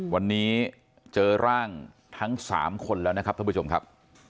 วันนี้เจอร่างทั้ง๓คนแล้วนะครับท่านผู้ชมครับ